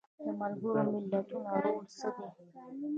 د ملګرو ملتونو رول څه دی؟